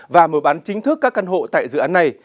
và mở bán chính thức các căn hộ tại dự án này